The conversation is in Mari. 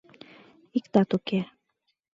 Иктат уке.